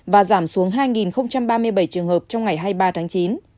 và giảm xuống hai ba mươi bảy trường hợp trong ngày hai mươi ba tháng chín